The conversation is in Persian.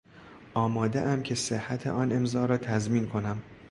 آمادهام که صحت آن امضا را تضمین کنم